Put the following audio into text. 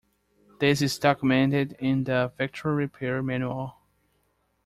This is documented in the factory repair manual.